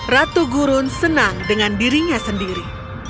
ratu gurun senang dengan dirinya sendiri